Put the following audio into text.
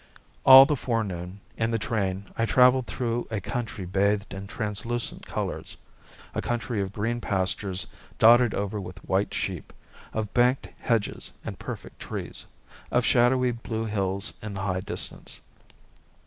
All the forenoon, in the train, I travelled through a country bathed in translucent colours, a country of green pastures dotted over with white sheep, of banked hedges and perfect trees, of shadowy blue hills in the high distance.